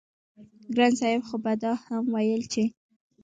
ګران صاحب خو به دا هم وييل چې